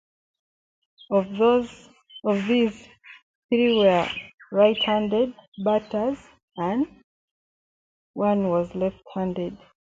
Of these, three were right-handed batters and one was left-handed.